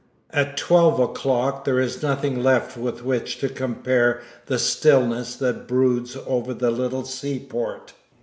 At twelve o'clock there is nothing left with which to compare the stillness that broods over the little seaport.